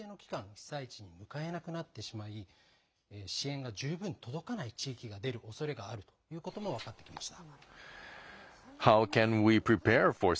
被災地に向かえなくなってしまい支援が十分届かない地域が出るおそれがあるということも分かってきました。